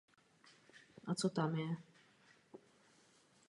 V místě konání tábora bývá pro účastníky tábora zajištěné stravování.